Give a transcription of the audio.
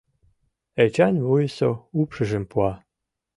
— Эчан вуйысо упшыжым пуа.